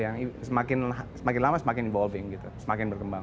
yang semakin lama semakin bolding gitu semakin berkembang